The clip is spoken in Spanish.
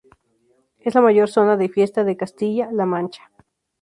Es la mayor zona de fiesta de Castilla-La Mancha.